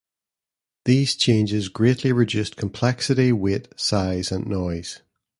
These changes greatly reduced complexity, weight, size and noise.